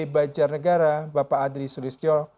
banjar negara bapak adri sulistyo